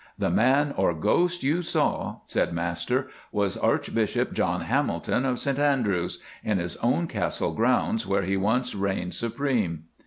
"'The man, or ghost, you saw,' said master, 'was Archbishop John Hamilton of St Andrews—in his own Castle grounds where he once reigned supreme.